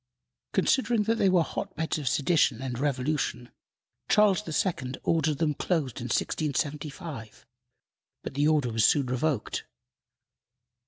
Considering that they were hot beds of sedition and revolution, Charles II. ordered them closed in 1675, but the order was soon revoked.